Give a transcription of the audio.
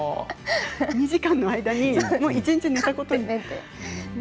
２時間の間に一日寝たことにして。